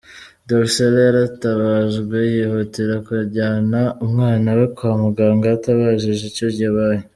Dorcella yaratabajwe yihutira kujyana umwana we kwa muganga atabajije icyo yabaye.